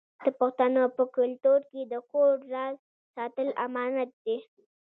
د پښتنو په کلتور کې د کور راز ساتل امانت دی.